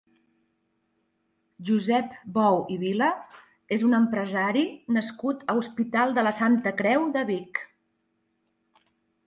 Josep Bou i Vila és un empresari nascut a Hospital de la Santa Creu de Vic.